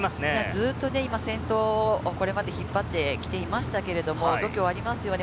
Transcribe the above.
ずっと先頭をこれまで引っ張ってきていましたけれども、度胸ありますよね。